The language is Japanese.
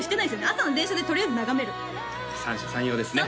朝の電車でとりあえず眺める三者三様ですね